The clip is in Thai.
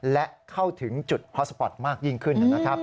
และเข้าถึงจุดฮอตสปอตมากยิ่งขึ้น